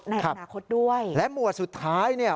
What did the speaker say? ในอนาคตด้วยและหมวดสุดท้ายเนี่ย